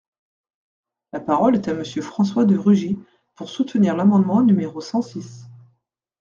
La parole est à Monsieur François de Rugy, pour soutenir l’amendement numéro cent six.